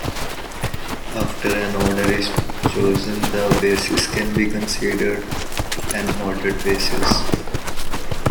After an order is chosen, the basis can be considered an ordered basis.